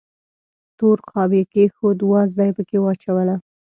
تور قاب یې کېښود، وازده یې پکې واچوله.